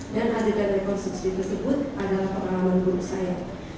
dan adegan rekonstruksi tersebut adalah pengalaman buruk saya